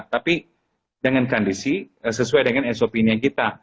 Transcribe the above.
tapi dengan kondisi sesuai dengan sop nya kita